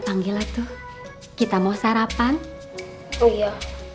panggillah tuh kita mau sarapan oh iya